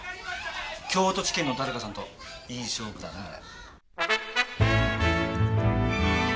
京都地検の誰かさんといい勝負だなあれ。